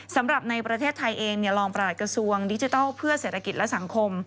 สำหรับในประเทศไทยเองรองประหลัดกระทรวงดิจิทัลเพื่อเศรษฐกิจและสังคม